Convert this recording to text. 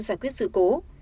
giải quyết sự cố